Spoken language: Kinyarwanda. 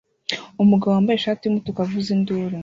Umugabo wambaye ishati yumutuku avuza induru